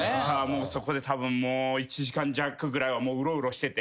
そこでたぶん１時間弱ぐらいはうろうろしてて。